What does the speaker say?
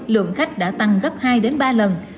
lượng khách đã tăng gấp hai ba lần